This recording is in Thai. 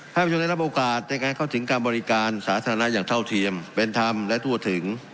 ประชาชนได้รับโอกาสในการเข้าถึงการบริการสาธารณะอย่างเท่าเทียมเป็นธรรมและทั่วถึง